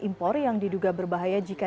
impor yang diduga berbahaya jika